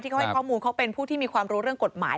เขาให้ข้อมูลเขาเป็นผู้ที่มีความรู้เรื่องกฎหมาย